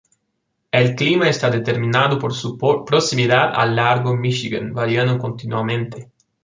El clima está determinado por su proximidad al lago Míchigan, variando continuamente.